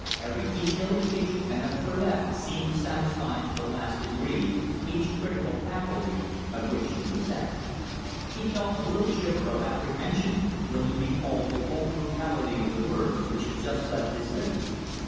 Every detail of feature and of toilet seemed to satisfy to the last degree each critical faculty of which he was possessed. He felt a little shiver of apprehension when he recalled the cold brutality of the words which had just left his lips!